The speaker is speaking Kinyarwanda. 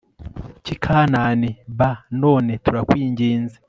cy i Kanani b None turakwinginze